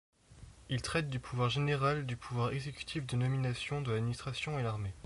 Il traite du pouvoir général du pouvoir exécutif de nomination dans l'administration et l'armée.